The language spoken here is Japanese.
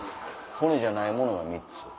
骨じゃないものが３つ。